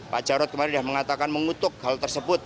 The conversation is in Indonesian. pak jarod kemarin sudah mengatakan mengutuk hal tersebut